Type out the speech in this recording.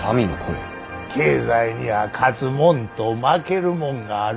経済には勝つ者と負ける者がある。